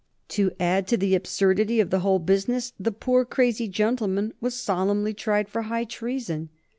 To add to the absurdity of the whole business, the poor crazy gentleman was solemnly tried for high treason.